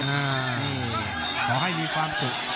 นี่ต่อให้มีความสุข